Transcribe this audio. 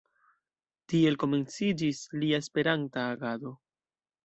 Tiel komenciĝis lia Esperanta agado.